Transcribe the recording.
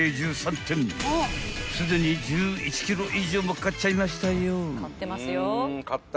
［すでに１１ｋｇ以上も買っちゃいましたよ］